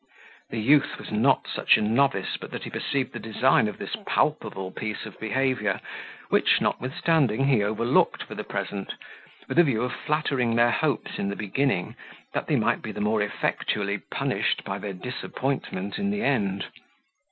The youth was not such a novice but that he perceived the design of this palpable piece of behaviour, which, notwithstanding, he overlooked for the present, with a view of flattering their hopes in the beginning, that they might be the more effectually punished by their disappointment in the end.